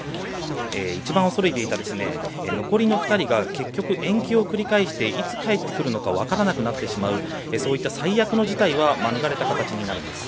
一番恐れていた残りの２人が延期を繰り返していつ帰ってくるのか分からなくなってしまうそういった最悪の事態は免れた形になるんです。